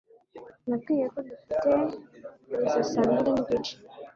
Nabwiwe ko dufite kugeza saa mbiri nigice